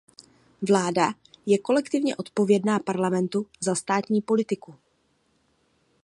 Vláda je kolektivně odpovědná parlamentu za státní politiku.